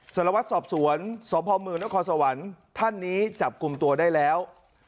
สารวัตรสอบสวนสพมนครสวรรค์ท่านนี้จับกลุ่มตัวได้แล้ว